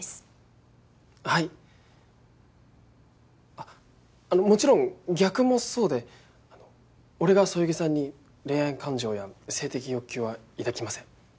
あっあのもちろん逆もそうで俺がそよぎさんに恋愛感情や性的欲求は抱きません。